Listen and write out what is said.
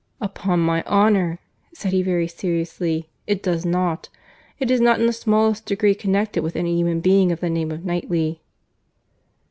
"Upon my honour," said he very seriously, "it does not. It is not in the smallest degree connected with any human being of the name of Knightley."